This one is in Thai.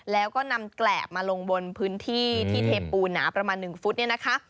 แล้วก็นำแกรบมาลงบนพื้นที่ที่เทปูหนาประมาณ๑ฟุตเนี่ยนะคะ